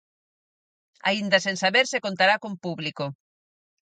Aínda sen saber se contará con público.